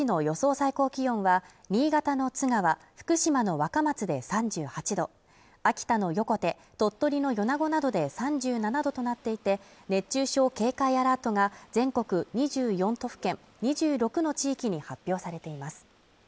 最高気温は新潟の津川福島の若松で３８度秋田の横手鳥取の米子などで３７度となっていて熱中症警戒アラートが全国２４都府県２６の地域に発表されています